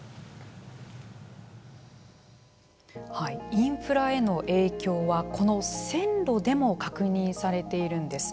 インフラへの影響はこの線路でも確認されているんです。